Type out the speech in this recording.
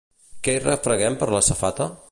Què hi refreguem per la safata?